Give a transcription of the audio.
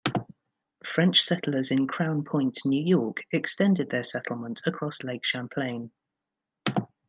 French settlers in Crown Point, New York extended their settlements across Lake Champlain.